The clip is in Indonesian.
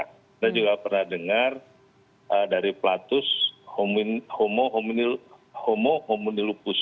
kita juga pernah dengar dari platus homo homunilupus